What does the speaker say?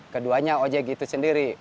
keduanya objek itu sendiri